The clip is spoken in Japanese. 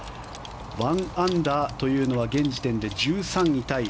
１アンダーというのは現時点で１３位タイ。